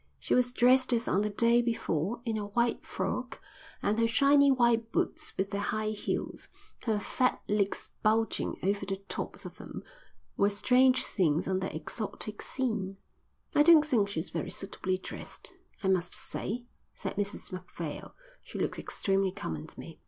She was dressed as on the day before, in a white frock, and her shiny white boots with their high heels, her fat legs bulging over the tops of them, were strange things on that exotic scene. "I don't think she's very suitably dressed, I must say," said Mrs Macphail. "She looks extremely common to me."